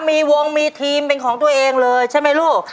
มีวงมีทีมเป็นของตัวเองเลยใช่ไหมลูก